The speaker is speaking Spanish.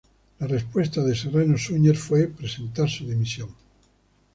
La respuesta de Serrano Suñer fue presentar su dimisión.